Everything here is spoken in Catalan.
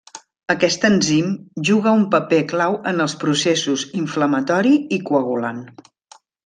Aquest enzim juga un paper clau en els processos inflamatori i coagulant.